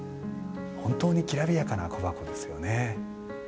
本当にきらびやかな小箱ですよね。